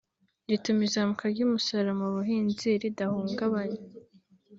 bituma izamuka ry’ umusaruro mu buhinzi ridahungabana